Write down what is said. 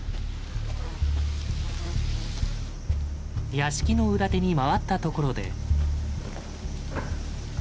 屋敷の裏手に回ったところで。